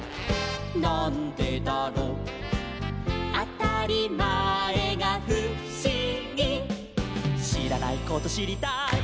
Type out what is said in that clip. なんでだろう」「あたりまえがふしぎ」「しらないことしりたい」